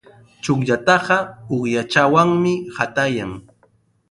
Chukllataqa uqshawanmi qatayan.